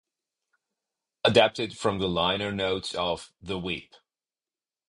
Adapted from the liner notes of "The Whip".